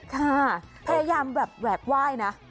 ค่ะพยายามแบบแหวกไหว้นะ